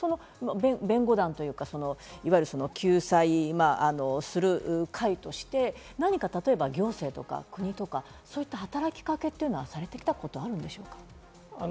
弁護団というか、いわゆる救済する会として、何か行政とか国とか、そういった働きかけというのはされてきたことはあるんでしょうか？